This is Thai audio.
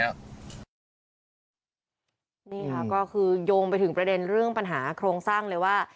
นี่ค่ะก็คือโยงไปถึงประเด็นเรื่องปัญหาโครงสร้างเลยว่า